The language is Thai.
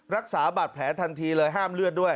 รักษาบาดแผลทันทีเลยห้ามเลือดด้วย